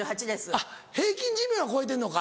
あっ平均寿命は超えてんのか。